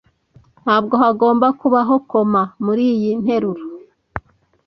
Ntabwo hagomba kubaho koma muriyi nteruro.